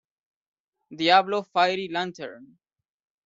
Diablo fairy-lantern.